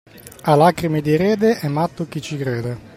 A lacrime di erede è matto chi ci crede.